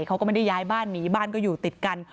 เขาก็ไม่ได้ย้ายบ้านหนีบ้านก็อยู่ติดกัน